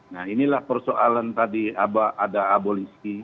nah inilah persoalan tadi ada abolisi